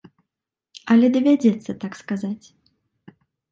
Але давядзецца так сказаць.